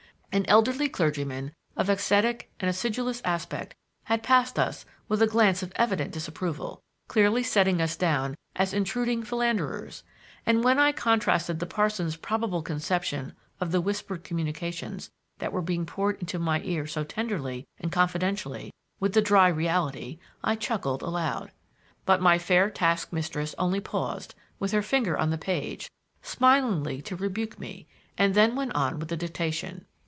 An elderly clergyman of ascetic and acidulous aspect had passed us with a glance of evident disapproval, clearly setting us down as intruding philanderers; and when I contrasted the parson's probable conception of the whispered communications that were being poured into my ear so tenderly and confidentially with the dry reality, I chuckled aloud. But my fair taskmistress only paused, with her finger on the page, smilingly to rebuke me, and then went on with the dictation.